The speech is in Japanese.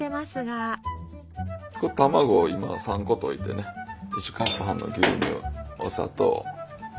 卵を今３個といてね１カップ半の牛乳お砂糖。